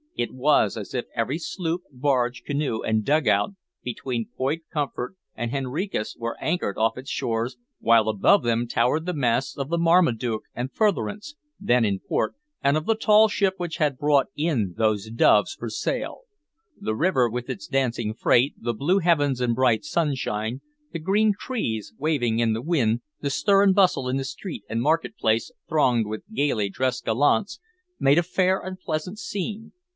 It was as if every sloop, barge, canoe, and dugout between Point Comfort and Henricus were anchored off its shores, while above them towered the masts of the Marmaduke and Furtherance, then in port, and of the tall ship which had brought in those doves for sale. The river with its dancing freight, the blue heavens and bright sunshine, the green trees waving in the wind, the stir and bustle in the street and market place thronged with gayly dressed gallants, made a fair and pleasant scene.